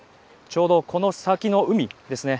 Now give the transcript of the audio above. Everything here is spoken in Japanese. ちょうどこの先の海ですね